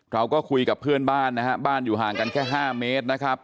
เราก็คุยกับเพื่อนบ้านนะฮะบ้านอยู่ห่างกันแค่๕เมตรนะครับ